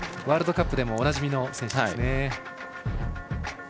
ワールドカップでもおなじみの選手。